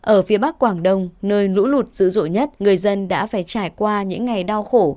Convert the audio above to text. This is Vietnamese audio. ở phía bắc quảng đông nơi lũ lụt dữ dội nhất người dân đã phải trải qua những ngày đau khổ